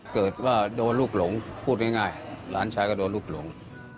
เกิดว่าโดนลูกหลงพูดง่ายหลานชายก็โดนลูกหลง